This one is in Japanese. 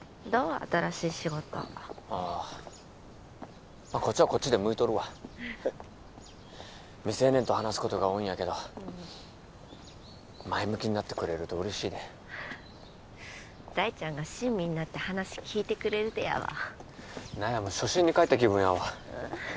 新しい仕事ああまっこっちはこっちで向いとるわ未成年と話すことが多いんやけど前向きになってくれると嬉しいで大ちゃんが親身になって話聞いてくれるでやわ何や初心に帰った気分やわ